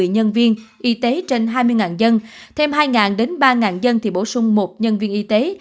một mươi nhân viên y tế trên hai mươi dân thêm hai ba dân thì bổ sung một nhân viên y tế